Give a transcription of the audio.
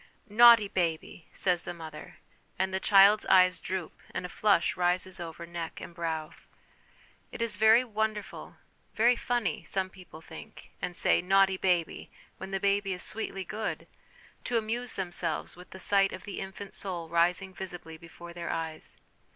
Naughty baby !' says the mother ; and the child's eyes droop, and a flush rises over neck and brow. It is very 14 HOME EDUCATION wonderful ; very ' funny,' some people think, and say, 'Naughty baby!' when the baby is sweetly good, to amuse themselves with the sight of the infant soul rising visibly before their eyes.